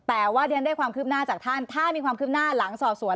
แต่ว่าเรียนได้ความคืบหน้าจากท่านถ้ามีความคืบหน้าหลังสอบสวน